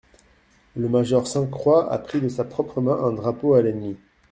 Le major Sainte-Croix a pris de sa propre main un drapeau à l'ennemi.